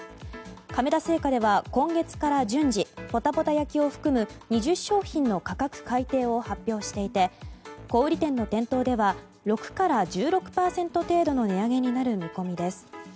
亀田製菓では今月から順次ぽたぽた焼を含む２０商品の価格改定を発表していて小売店の店頭では６から１６％程度の値上げになる見込みです。